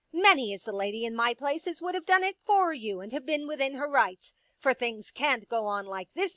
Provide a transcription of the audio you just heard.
Many is the lady in my place as would have done it for you and have been within her rights. For things can't go on like this.